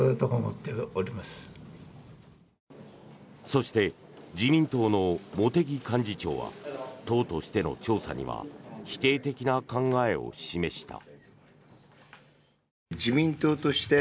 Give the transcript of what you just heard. そして、自民党の茂木幹事長は党としての調査には否定的な考えを示した。